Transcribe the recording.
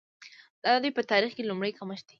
دا د دوی په تاریخ کې لومړی کمښت دی.